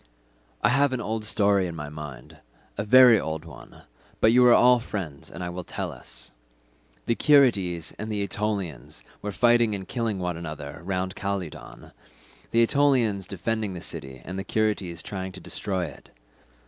"I have an old story in my mind—a very old one—but you are all friends and I will tell it. The Curetes and the Aetolians were fighting and killing one another round Calydon—the Aetolians defending the city and the Curetes trying to destroy it.